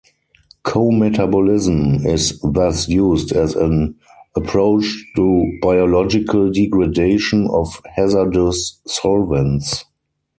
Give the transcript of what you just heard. Co-metabolism is thus used as an approach to biological degradation of hazardous solvents.